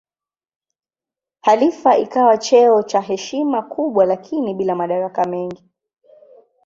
Khalifa ikawa cheo cha heshima kubwa lakini bila madaraka mengi.